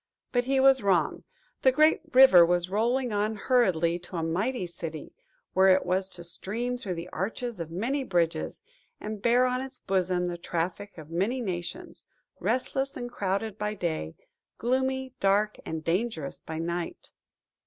But he was wrong. The great river was rolling on hurriedly to a mighty city, where it was to stream through the arches of many bridges, and bear on its bosom the traffic of many nations; restless and crowded by day; gloomy, dark, and dangerous by night!